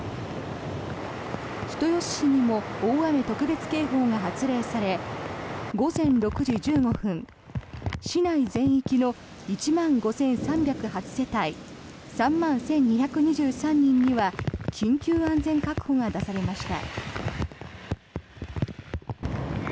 人吉市にも大雨特別警報が発令され午前６時１５分市内全域の１万５３０８世帯３万１２２３人には緊急安全確保が出されました。